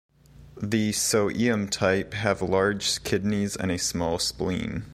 The So-Eum type have large kidneys and a small spleen.